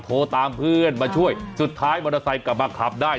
โทรตามเพื่อนมาช่วยสุดท้ายมอเตอร์ไซค์กลับมาขับได้